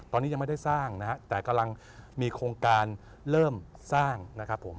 ตอนนี้ยังไม่ได้สร้างนะฮะแต่กำลังมีโครงการเริ่มสร้างนะครับผม